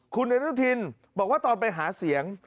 คุณอนุทินบอกว่าตอนไปหาเสียง